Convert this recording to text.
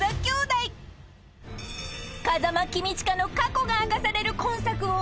［風間公親の過去が明かされる今作を］